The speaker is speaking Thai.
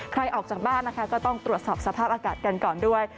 ออกจากบ้านนะคะก็ต้องตรวจสอบสภาพอากาศกันก่อนด้วย